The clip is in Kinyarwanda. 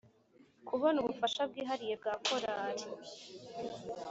kubona ubufasha bwihariye bwa korali